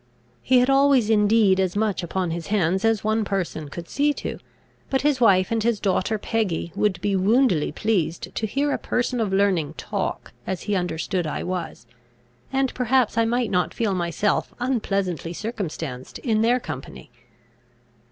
He had always indeed as much upon his hands as one person could see to; but his wife and his daughter Peggy would be woundily pleased to hear a person of learning talk, as he understood I was; and perhaps I might not feel myself unpleasantly circumstanced in their company.